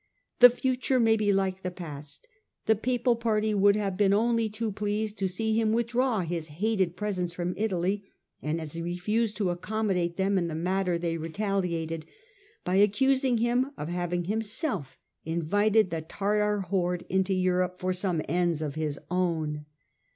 The future may be like the past." The Papal party would have been only too pleased to see him withdraw his hated presence from Italy, and as he refused to accommodate them in the matter they retaliated by accusing him of having himself invited the Tartar horde into Europe for some ends of his own.